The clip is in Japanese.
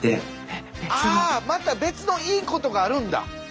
あまた別のいいことがあるんだ。